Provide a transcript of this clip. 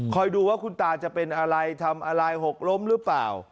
ดูว่าคุณตาจะเป็นอะไรทำอะไรหกล้มหรือเปล่า